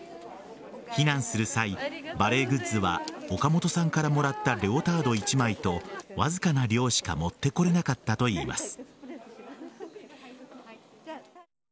避難する際、バレエグッズは岡本さんからもらったレオタード１枚とわずかな量しか持って来れなかったといいます。